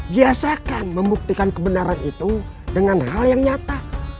biasakan membuktikan kebenaran itu dengan hal yang nyata